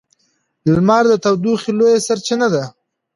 لمر د تودوخې لویه سرچینه ده.